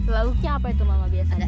lauknya apa itu mama biasa ada